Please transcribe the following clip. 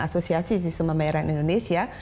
asosiasi sistem pembayaran indonesia